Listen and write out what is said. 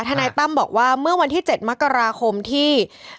นายตั้มบอกว่าเมื่อวันที่๗มกราคมที่